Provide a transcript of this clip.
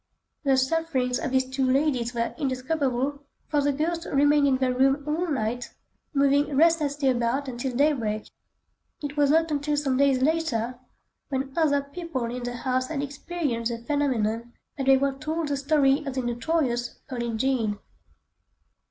The sufferings of these two ladies were indescribable, for the ghost remained in their room all night, moving restlessly about until daybreak. It was not until some days later, when other people in the house had experienced the phenomenon, that they were told the story of the notorious "Pearlin' Jean."